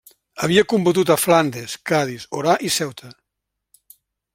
Havia combatut a Flandes, Cadis, Orà i Ceuta.